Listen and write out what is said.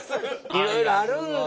いろいろあるんだ。